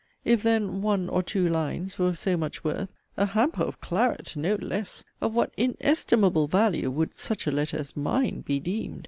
If, then, 'one' or 'two' lines were of so much worth, (A 'hamper of claret'! No 'less'!) of what 'inestimable value' would 'such a letter as mine' be deemed?